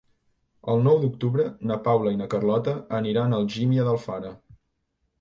El nou d'octubre na Paula i na Carlota aniran a Algímia d'Alfara.